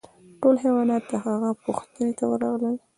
ټول حیوانات د هغه پوښتنې ته ورغلل.